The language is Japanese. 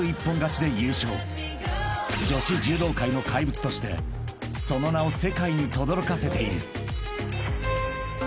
［女子柔道界の怪物としてその名を世界にとどろかせている］